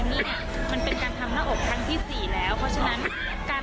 เพราะว่าเราต้องคำลึงสจุคความปลอดภัยได้มากที่สุด